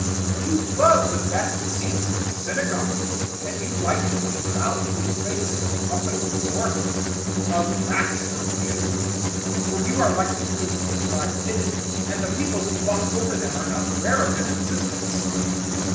for you love the best seats in the synagogues, and you like to be bowed to in places of public resort. 011:044 Alas for you! for you are like the tombs which lie hidden, and the people who walk over them are not aware of their existence."